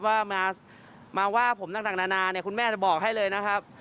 ว่ามาว่าผมนั่งนานคุณแม่จะบอกให้เลยนะครับ